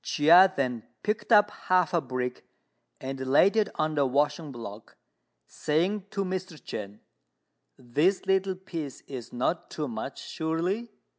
Chia then picked up half a brick and laid it on the washing block, saying to Mr. Chên, "This little piece is not too much, surely?"